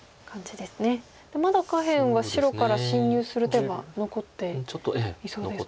まだ下辺は白から侵入する手は残っていそうですね。